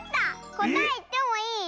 こたえいってもいい？